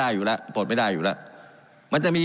การปรับปรุงทางพื้นฐานสนามบิน